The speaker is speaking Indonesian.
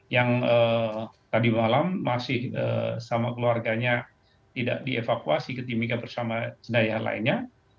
yang tadi malam masih sama keluarganya tidak dievakuasi ke timika bersama jenayah lainnya